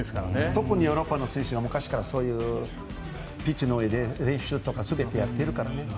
特にヨーロッパの選手は昔からピッチの上で練習をやってるからね。